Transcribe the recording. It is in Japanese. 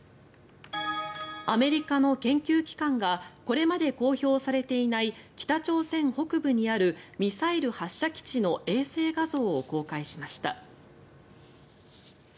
アメリカの研究機関がこれまで公表されていない北朝鮮北部にあるミサイル発射基地の衛星画像を公開しました。